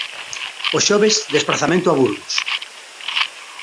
O xoves, desprazamento a Burgos.